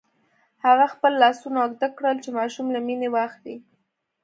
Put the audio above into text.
هغه خپل لاسونه اوږده کړل چې ماشوم له مينې واخلي.